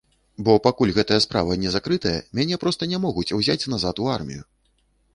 Бо пакуль гэтая справа не закрытая, мяне проста не могуць узяць назад у армію!